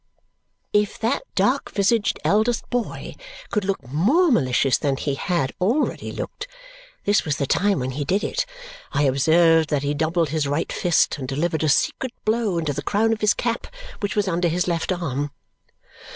If that dark visaged eldest boy could look more malicious than he had already looked, this was the time when he did it. I observed that he doubled his right fist and delivered a secret blow into the crown of his cap, which was under his left arm.